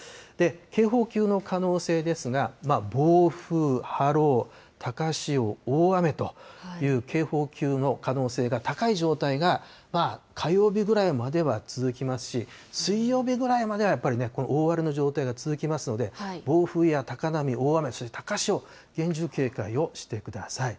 警報級の可能性ですが、暴風、波浪、高潮、大雨という警報級の可能性が高い状態が、火曜日ぐらいまでは続きますし、水曜日ぐらいまではやっぱりこの大荒れの状態が続きますので、暴風や高波、大雨、そして高潮、厳重警戒をしてください。